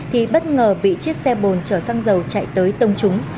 thì bất ngờ bị chiếc xe bồn chở xăng dầu chạy tới tông trúng